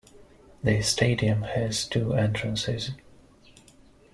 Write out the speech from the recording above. The stadium has two entrances.